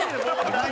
何？